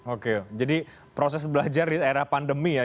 oke jadi proses belajar di era pandemi ya